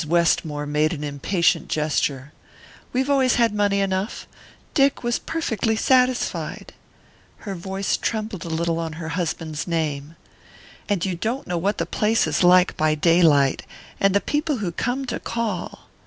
Westmore made an impatient gesture. "We've always had money enough Dick was perfectly satisfied." Her voice trembled a little on her husband's name. "And you don't know what the place is like by daylight and the people who come to call!"